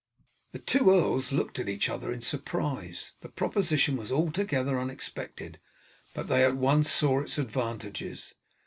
The two earls looked at each other in surprise. The proposition was altogether unexpected, but they at once saw its advantages.